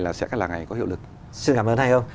là sẽ là ngày có hiệu lực xin cảm ơn thay hương